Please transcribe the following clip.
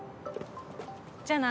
じゃあな。